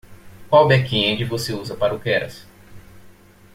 Qual backend você usa para o Keras?